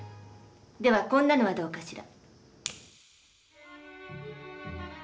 ではこんなのはどうかしら。